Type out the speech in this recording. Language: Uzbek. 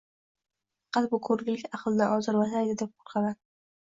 Faqat bu ko`rgilik aqldan ozdirmasaydi deb qo`rqaman